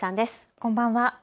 こんばんは。